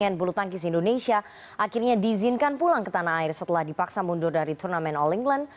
pemain pemain bulu tangkis indonesia akhirnya diizinkan pulang ke tanah air setelah dipaksa mundur dari turnamen all england